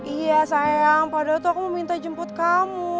iya sayang padahal tuh aku mau minta jemput kamu